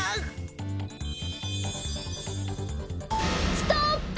ストップ！